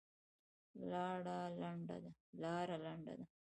لاره لنډه ده.